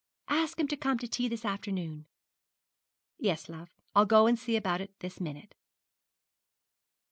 'Ask him to come to tea this afternoon.' 'Yes, love; I'll go and see about it this minute.'